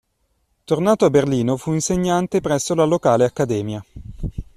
Tornato a Berlino fu insegnante presso la locale Accademia.